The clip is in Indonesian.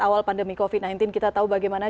awal pandemi covid sembilan belas kita tahu bagaimana